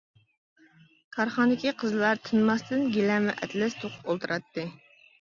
كارخانىدىكى قىزلار تىنماستىن گىلەم ۋە ئەتلەس توقۇپ ئولتۇراتتى.